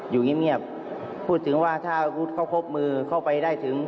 อยู่เงียบพูดถึงว่าถ้าอาวุธเขาครบมือเข้าไปได้ถึง